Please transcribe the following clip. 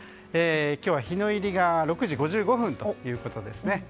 今日は日の入りが６時５５分ということです。